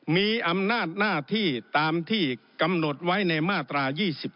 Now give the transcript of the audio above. มีอำนาจหน้าที่ตามที่กำหนดไว้ในมาตรา๒๗